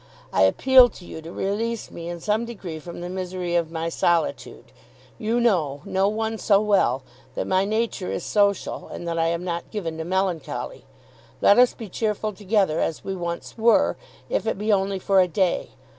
I appeal to you to release me in some degree from the misery of my solitude. You know, no one so well, that my nature is social and that I am not given to be melancholy. Let us be cheerful together, as we once were, if it be only for a day.